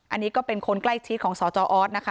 อันนี้ก็เป็นคนใกล้ชิดของสจออสนะคะ